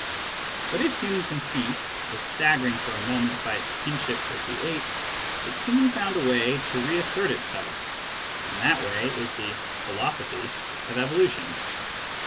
But if human conceit was staggered for a moment by its kinship with the ape, it soon found a way to reassert itself, and that way is the "philosophy" of evolution.